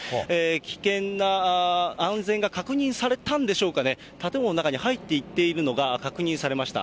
危険な、安全が確認されたんでしょうかね、建物の中に入っていっているのが確認されました。